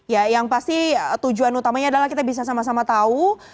ya yang pasti tujuan utamanya adalah kita bisa sama sama tahu